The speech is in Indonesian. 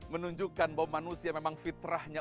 menunjukkan bahwa manusia memang fitrahnya